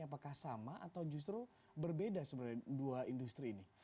apakah sama atau justru berbeda sebenarnya dua industri ini